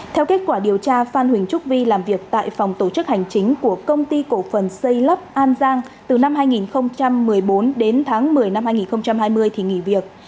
theo kết quả điều tra phan huỳnh trúc vi làm việc tại phòng tổ chức hành chính của công ty cổ phần xây lắp an giang từ năm hai nghìn một mươi bốn đến tháng một mươi năm hai nghìn hai mươi thì nghỉ việc